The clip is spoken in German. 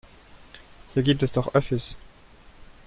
Hier gibt es doch Öffis.